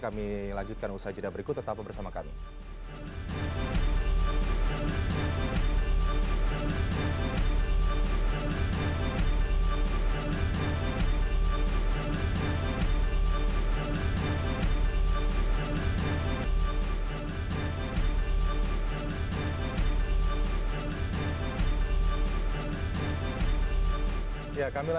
kami lanjutkan usaha jeda berikut tetap bersama kami